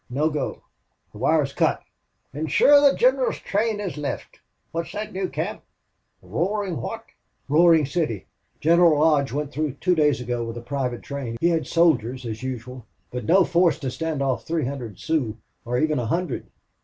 No go! The wire's cut!" "An' shure the gineral's train has left wot's that new camp Roarin' wot?" "Roaring City.... General Lodge went through two days ago with a private train. He had soldiers, as usual. But no force to stand off three hundred Sioux, or even a hundred."